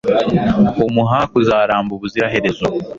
umuha kuzaramba ubuziraherezo